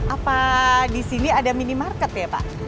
apa disini ada minimarket ya pak